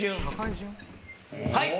はい。